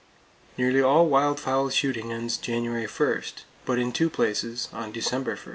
Nearly all wild fowl shooting ends January 1, but in two places, on December 1.